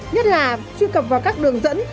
nhất là truy cập vào các đường dẫn